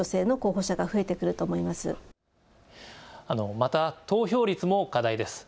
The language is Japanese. また投票率も課題です。